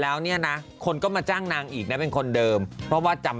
แต่ตอนนี้ก็ไม่แน่ครับว่าเนั้นสวยตัวตัวจริง